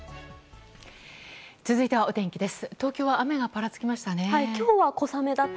続いて、お天気です。